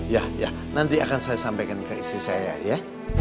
ya ya nanti akan saya sampaikan ke istri saya ya